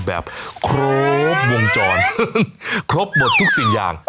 แบบครบวงจรครบหมดทุกสิ่งอย่าง